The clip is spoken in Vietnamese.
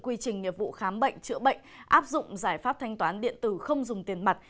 quy trình nghiệp vụ khám bệnh chữa bệnh áp dụng giải pháp thanh toán điện tử không dùng tiền mặt